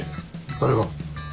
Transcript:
誰が？